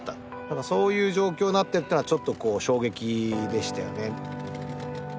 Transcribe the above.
そういう状況になってちょっと衝撃でしたよね。